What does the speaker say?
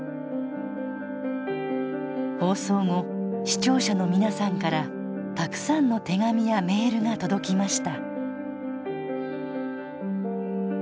放送後視聴者の皆さんからたくさんの手紙やメールが届きました